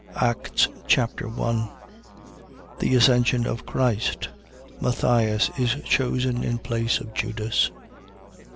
Acts Chapter 1 The ascension of Christ. Matthias is chosen in place of Judas.